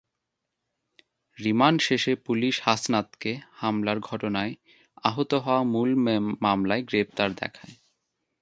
Remand শেষে police হাসনাতকে হামলার ঘটনায় হওয়া মূল মামলায় গ্রেপ্তার দেখায়।